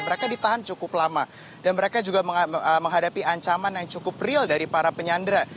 mereka ditahan cukup lama dan mereka juga menghadapi ancaman yang cukup real dari para penyandra